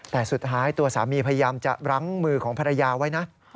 แต่สุดท้ายตัวสามีพยายามจะรั้งมือของภรรยาไว้นะ